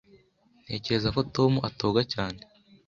Ntekereza ko Tom atoga cyane.